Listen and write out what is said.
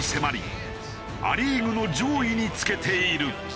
ア・リーグの上位につけている。